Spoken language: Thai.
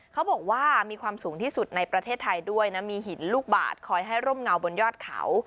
เขาบอกว่ามีความสูงที่สุดในประเทศไทยด้วยนะมีหินลูกบาทคอยให้ร่มเงาบนยอดเขา